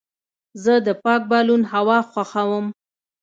زه د پاک بالون هوا خوښوم.